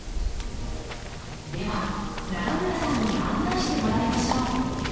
では永村さんに案内してもらいましょう。